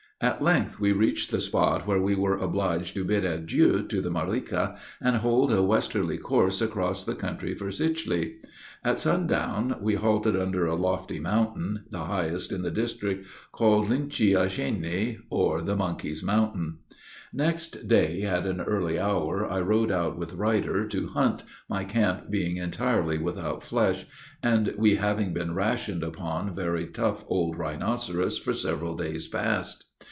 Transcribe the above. At length we reached the spot where we were obliged to bid adieu to the Mariqua, and hold a westerly course across the country for Sicheley. At sundown we halted under a lofty mountain, the highest in the district, called "Lynchie a Cheny," or the Monkey's Mountain. Next day, at an early hour, I rode out with Ruyter to hunt, my camp being entirely without flesh, and we having been rationed upon very tough old rhinoceros for several days past.